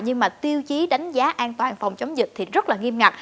nhưng mà tiêu chí đánh giá an toàn phòng chống dịch thì rất là nghiêm ngặt